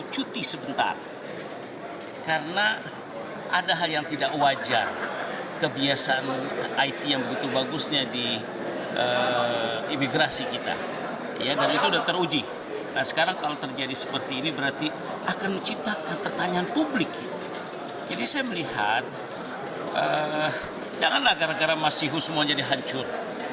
jadi saya melihat janganlah gara gara masiku semuanya dihancur